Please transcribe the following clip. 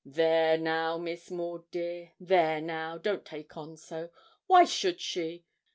'There now, Miss Maud, dear there now, don't take on so why should she?